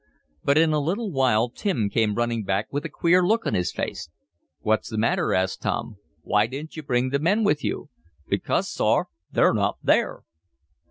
But in a little while Tim came running back with a queer look on his face. "What's the matter?" asked Tom. "Why didn't you bring the men with you?" "Because, sor, they're not there!"